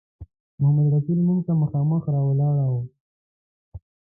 محمدرسول موږ ته مخ راواړاوه.